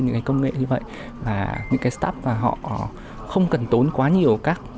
những cái công nghệ như vậy những cái staff họ không cần tốn quá nhiều